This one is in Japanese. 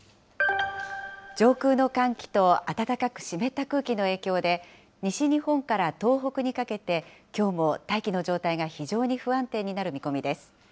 上空の寒気と暖かく湿った空気の影響で、西日本から東北にかけて、きょうも大気の状態が非常に不安定になる見込みです。